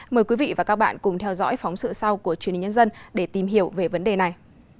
mời quý vị và các bạn cùng theo dõi phóng sự sau của truyền hình nhân dân để tìm hiểu về vấn đề này